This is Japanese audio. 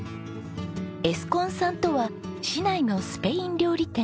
エスコンさんとは市内のスペイン料理店。